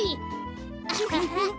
アハハッ！